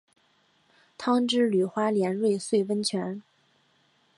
汤之旅花莲瑞穗温泉